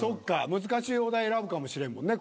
難しいお題選ぶかもしれんもんね